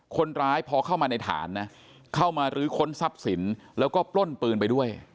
คนร้ายพอเข้ามาในฐานนะเข้ามาลื้อค้นทรัพย์สินแล้วก็ปล้นปืนไปด้วย